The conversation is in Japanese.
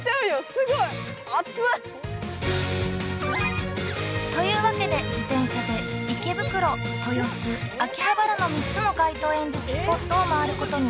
すごい熱っ！というわけで自転車で池袋豊洲秋葉原の３つの街頭演説スポットを回ることに。